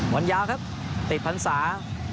วันยาวครับติดพันศา